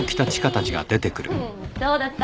どうだった？